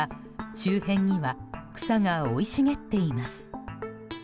周辺には草が生い茂っています。